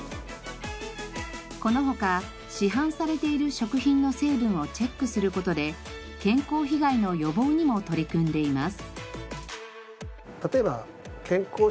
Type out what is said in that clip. この他市販されている食品の成分をチェックする事で健康被害の予防にも取り組んでいます。